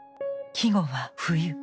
季語は「冬」。